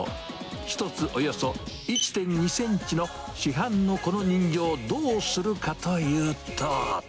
１つおよそ１．２センチの市販のこの人形、どうするかというと。